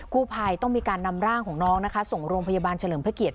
ผู้ภัยต้องมีการนำร่างของน้องนะคะส่งโรงพยาบาลเฉลิมพระเกียรติ